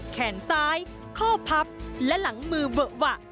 แขนซ้ายข้อพับและหลังมือเวอะหวะ